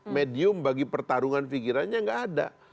medium bagi pertarungan pikirannya nggak ada